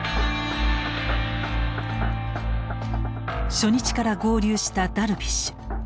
初日から合流したダルビッシュ。